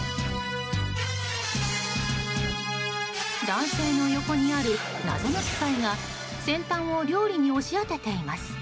男性の横にある謎の機械が先端を料理に押し当てています。